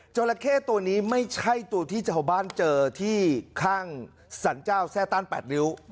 ราเข้ตัวนี้ไม่ใช่ตัวที่ชาวบ้านเจอที่ข้างสรรเจ้าแซ่ต้าน๘ริ้ว